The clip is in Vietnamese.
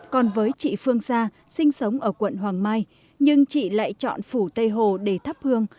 còn với chị phương sa sinh sống ở quận hoàng mai nhưng chị lại chọn phủ tây hồ để thắp hương